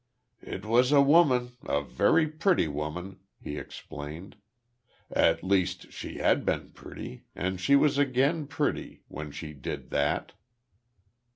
"It was a woman a very pretty woman," he explained. "At least, she had been pretty; and she was again pretty; when she did that.